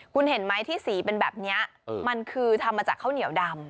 คุณเห็นไหมที่สีเป็นแบบนี้มันคือทำมาจากข้าวเหนียวดำ